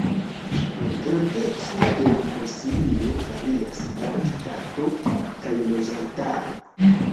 La grandeco de la konsilio varias laŭ ŝtato kaj loĝantaro.